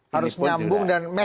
harus nyambung dan match itu pak